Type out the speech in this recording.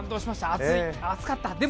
熱かった！